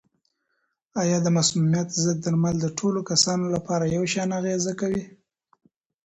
آیا د مسمومیت ضد درمل د ټولو کسانو لپاره یو شان اغېزه کوي؟